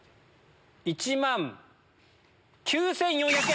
１万９４００円。